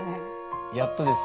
やっとですよ。